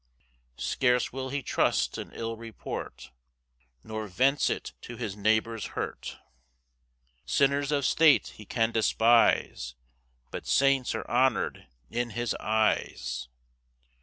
3 [Scarce will he trust an ill report, Nor vents it to his neighbour's hurt: Sinners of state he can despise, But saints are honour'd in his eyes.